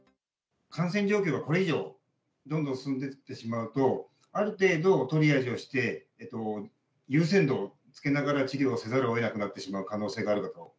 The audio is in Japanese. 感染状況がこれ以上、どんどん進んでいってしまうと、ある程度、トリアージをして、優先度をつけながら治療せざるをえなくなってしまう可能性があるかと。